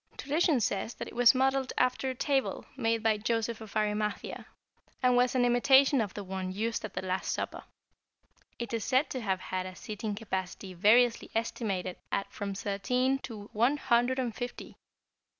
= Tradition says that it was modeled after a table made by Joseph of Arimathea, and was an imitation of the one used at the Last Supper. It is said to have had a seating capacity variously estimated at from thirteen to one hundred and fifty.